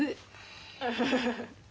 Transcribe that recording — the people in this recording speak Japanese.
ウフフフフ。